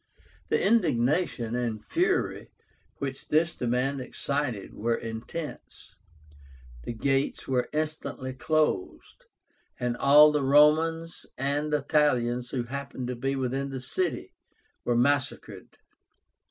The indignation and fury which this demand excited were intense. The gates were instantly closed, and all the Romans and Italians who happened to be within the city were massacred.